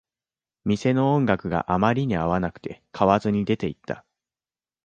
店の音楽があまりに合わなくて、買わずに出ていった